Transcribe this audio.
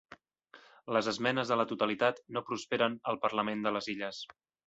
Les esmenes a la totalitat no prosperen al parlament de les Illes